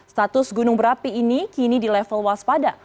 status gunung berapi ini kini di level waspada